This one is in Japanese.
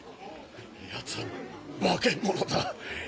やつは化け物だ。